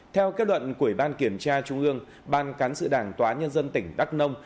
theo kết luận của ủy ban kiểm tra trung ương ban cán sự đảng tòa nhân dân tỉnh đắk nông